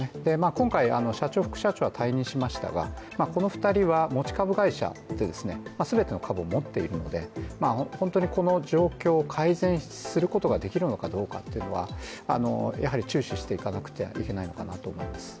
今回、社長、副社長は退任しましたがこの２人は持ち株会社で全ての株を持っているので本当にこの状況を改善することができるのかどうかはやはり注視していかなくてはいけないのかなと思います。